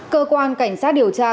cơ quan cảnh sát điều tra